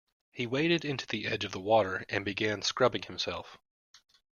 He waded into the edge of the water and began scrubbing himself.